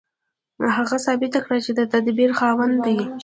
هغه ثابته کړه چې د تدبير خاوند دی.